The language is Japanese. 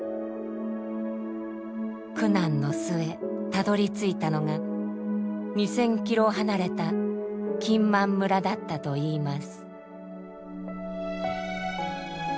苦難の末たどりついたのが２，０００ｋｍ離れた金満村だったといいます。